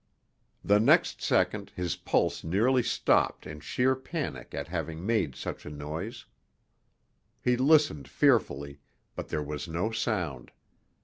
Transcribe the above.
The next second his pulse nearly stopped in sheer panic at having made such a noise. He listened fearfully, but there was no sound.